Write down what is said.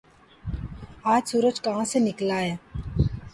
آج سورج کہاں سے نکلا ہے